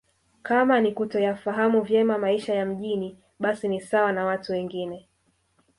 Kama ni kutoyafahamu vyema maisha ya mjini basi ni sawa na watu wengine